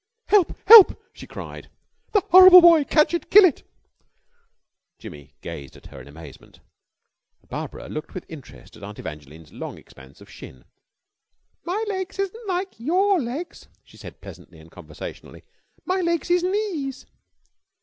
"Help! Help!" she cried. "The horrible boy! Catch it! Kill it!" Jimmy gazed at her in amazement, and Barbara looked with interest at Aunt Evangeline's long expanse of shin. "My legs isn't like your legs," she said pleasantly and conversationally. "My legs is knees."